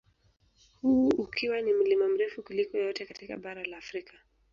Huu ukiwa ni mlima mrefu kuliko yote katika bara la Afrika